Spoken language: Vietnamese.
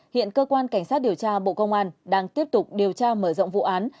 hiện cơ quan cảnh sát điều tra bộ công an đang tiếp tục điều tra mở rộng vụ án